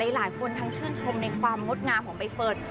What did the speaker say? หลายคนทั้งชื่นชมในความงดงามของใบเฟิร์น